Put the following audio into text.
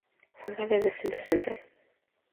Juega de defensa central.